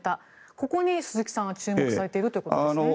ここに鈴木さんは注目されているということですね。